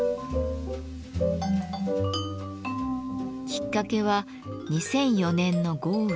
きっかけは２００４年の豪雨。